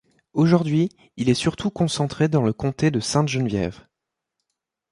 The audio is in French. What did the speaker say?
Aujourd’hui, il est surtout concentré dans le comté de Sainte-Geneviève.